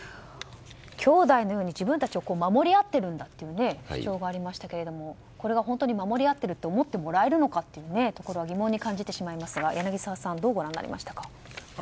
きょうだいのように自分たちを守り合っているんだという主張がありましたけどこれが本当に守り合っていると思ってもらえるのかと疑問に感じてしまいますが柳澤さんはどうご覧になりましたか？